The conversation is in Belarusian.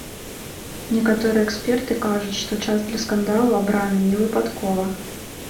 Некаторыя эксперты кажуць, што час для скандалу абраны не выпадкова.